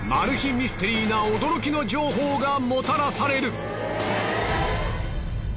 ミステリーな驚きの情報がもたらされる。